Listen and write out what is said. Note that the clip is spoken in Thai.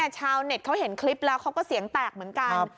ชาวเน็ตเขาเห็นคลิปแล้วเขาก็เสียงแตกเหมือนกัน